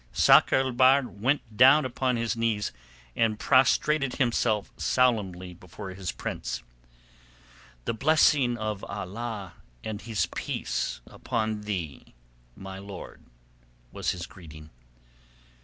Sakr el Bahr went down upon his knees and prostrated himself solemnly before his prince. "The blessing of Allah and His peace upon thee, my lord," was his greeting.